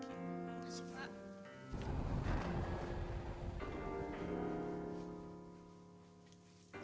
terima kasih pak